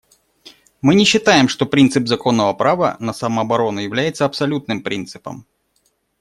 Мы не считаем, что принцип законного права на самооборону является абсолютным принципом.